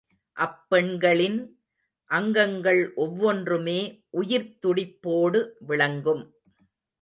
அப்பெண்களின் அங்கங்கள் ஒவ்வொன்றுமே உயிர்த் துடிப்போடு விளங்கும்.